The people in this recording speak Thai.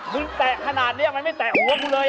แตะขนาดนี้มันไม่แตะหัวกูเลย